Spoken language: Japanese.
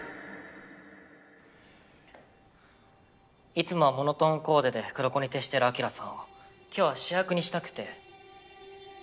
いつもはモノトーンコーデで黒子に徹しているアキラさんを今日は主役にしたくて。